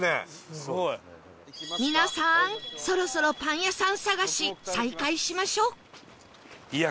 皆さんそろそろパン屋さん探し再開しましょう